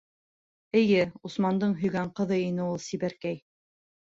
Эйе, Усмандың һөйгән ҡыҙы ине ул сибәркәй.